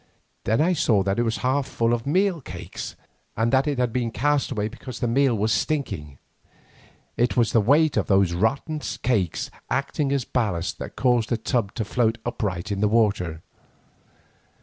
Then I saw that it was half full of meal cakes, and that it had been cast away because the meal was stinking. It was the weight of these rotten cakes acting as ballast, that caused the tub to float upright in the water.